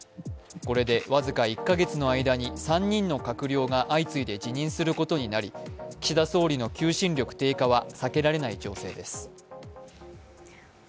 これで僅か１か月の間に３人の閣僚が相次いで辞任することになり岸田総理の求心力低下は避けられない情勢です。